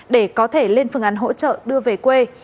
để có thể lên phương án hỗ trợ đưa về quê